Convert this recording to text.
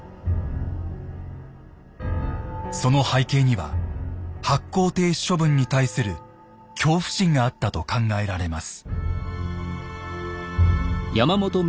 その背景には発行停止処分に対する恐怖心があったと考えられます。